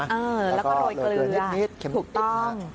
แก๋ออแล้วก็โรยเกลือนิดแคมป์อิ๊บค่ะถูกต้อง